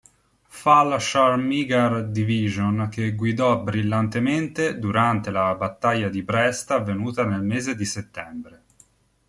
Fallschirmjäger-Division che guidò brillantemente durante la battaglia di Brest avvenuta nel mese di settembre.